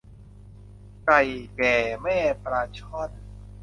ไก่แก่แม่ปลาช่อน